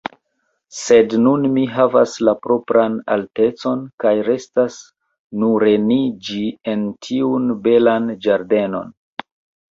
Sed nun mi havas la propran altecon, kaj restas nureniĝi en tiun belan ĝardenon.